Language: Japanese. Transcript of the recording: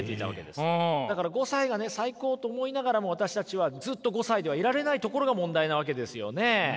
だから５歳がね最高と思いながらも私たちはずっと５歳ではいられないところが問題なわけですよね。